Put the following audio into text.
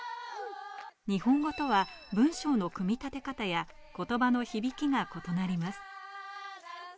日本語とは文章の組み立て方や言葉の響きが異なります。